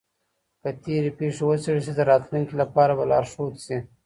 که تېري پېښې وڅېړل سي د راتلونکي لپاره به لارښود سي.